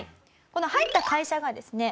この入った会社がですね